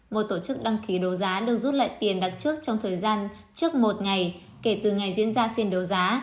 một tổ chức đăng ký đấu giá được rút lại tiền đặt trước trong thời gian trước một ngày kể từ ngày diễn ra phiên đấu giá